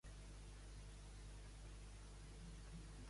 Un cargol sisavat de mètric vuit